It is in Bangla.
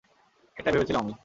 এটাই ভেবেছিলাম আমি।